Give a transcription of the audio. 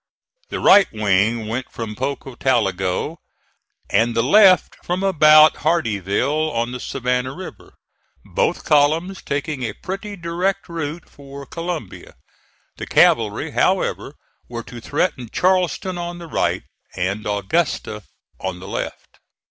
The right wing went from Pocotaligo, and the left from about Hardeeville on the Savannah River, both columns taking a pretty direct route for Columbia. The cavalry, however, were to threaten Charleston on the right, and Augusta on the left.